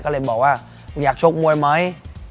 ก็เลยบอกว่ามึงอยากชกมวยไหม